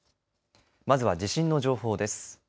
まずは地震の情報です。